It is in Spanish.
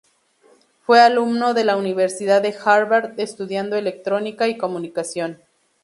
Fue alumno de la Universidad de Harvard estudiando electrónica y comunicación.